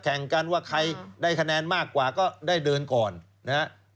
แข่งกันว่าใครได้คะแนนมากกว่าก็ได้เดินก่อนนะฮะ